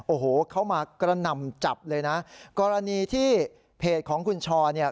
โอ้โหเขามากระหน่ำจับเลยนะกรณีที่เพจของคุณชอเนี่ย